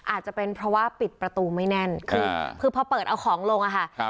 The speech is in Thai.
อาจจะเป็นเพราะว่าปิดประตูไม่แน่นคือคือพอเปิดเอาของลงอะค่ะ